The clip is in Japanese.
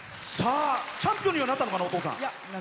チャンピオンにはなったのかなお父さん。